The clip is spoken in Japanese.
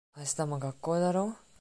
明日も学校だろ。